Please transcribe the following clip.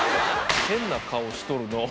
変な顔しとるのう。